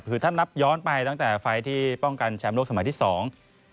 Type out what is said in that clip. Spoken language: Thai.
คือถ้านับย้อนไปตั้งแต่ไฟล์ที่ป้องกันแชมป์โลกสมัยที่สอง